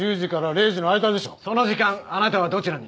その時間あなたはどちらに？